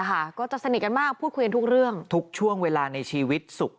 ค่ะก็จะสนิทกันมากพูดคุยกันทุกเรื่องทุกช่วงเวลาในชีวิตสุข